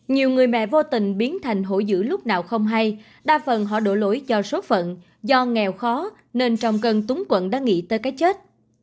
nhiều người mẹ vô tình biến thành hổ dữ lúc nào không hay đa phần họ đổ lỗi do số phận do nghèo khó nên trong cơn túng quận đã nghĩ tới cái chết